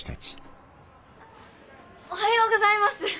おはようございます。